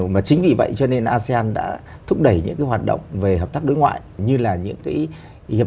mà chính vì vậy cho nên asean đã thúc đẩy những cái hoạt động về hợp tác đối ngoại như là những cái hiệp